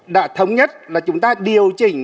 đã thống nhất là chúng ta điều chỉnh